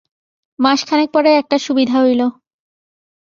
মাসখানেক পরে একটা সুবিধা হইল।